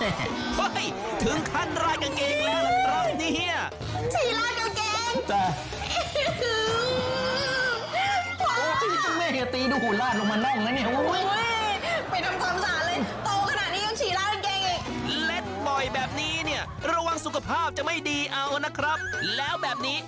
เฮ้ยถึงขั้นราดกางเกงแล้วล่ะตรำนี่เฮีย